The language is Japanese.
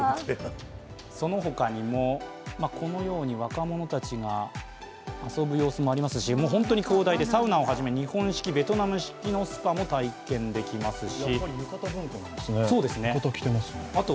そのほかにも、このように若者たちが遊ぶ様子もありますし、本当に広大で、サウナをはじめ日本式、ベトナム式のスパも体験できますしあと